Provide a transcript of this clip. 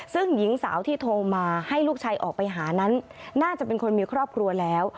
ซึ่งหญิงสาวที่โทรมาให้ลูกชายออกไปหานั้นน่าจะเป็นคนมีครอบครัวแล้ว